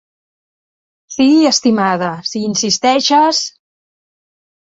Sí, estimada, si hi insisteixes!